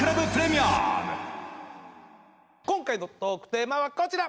今回のトークテーマはこちら。